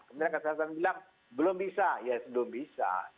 kementerian kesehatan bilang belum bisa ya belum bisa